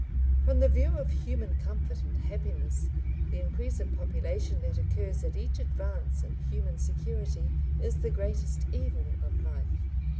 From the view of human comfort and happiness, the increase of population that occurs at each advance in human security is the greatest evil of life.